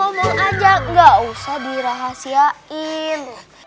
kalau mau ngomong ya ngomong aja gak usah dirahasiain